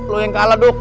lo yang kalah duk